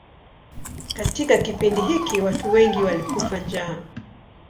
Katika kipindi hiki watu wengi walikufa njaa.